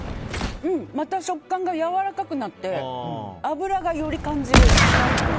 また食感がやわらかくなって脂がより感じるタイプの。